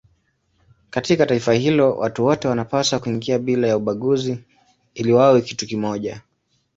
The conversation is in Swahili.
Katika taifa hilo watu wote wanapaswa kuingia bila ya ubaguzi ili wawe kitu kimoja.